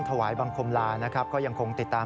ถวายบังคุมลาก็ยังคงติดตาม